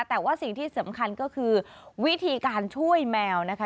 แต่ว่าสิ่งที่สำคัญก็คือวิธีการช่วยแมวนะคะ